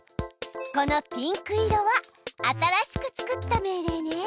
このピンク色は新しく作った命令ね！